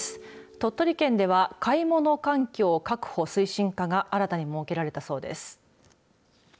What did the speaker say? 鳥取県では買物環境確保推進課が新たに設けられたそうです。